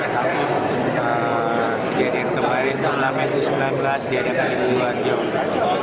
kemarin kemarin kemaren kemaren itu sembilan belas diadakan di sidoarjo